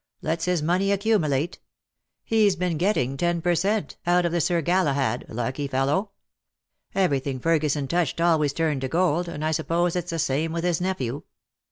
ets his money accumulate. He's been getting ten per cent, out of the Sir Galahad — lucky fellow. Everything Ferguson touched always turned to gold, and I suppose it's the same with his nephew."